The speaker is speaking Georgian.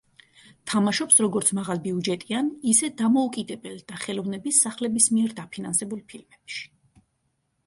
თამაშობს როგორც მაღალბიუჯეტიან, ისე დამოუკიდებელ და ხელოვნების სახლების მიერ დაფინანსებულ ფილმებში.